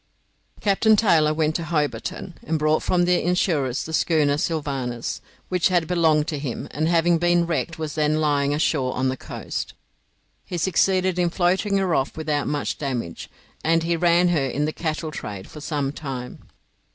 Captain Taylor went to Hobarton, and bought from the insurers the schooner 'Sylvanus' which had belonged to him, and having been wrecked was then lying ashore on the coast. He succeeded in floating her off without much damage, and he ran her in the cattle trade for some time.